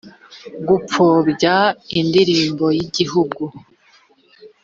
gupfobya indirimbo y igihugu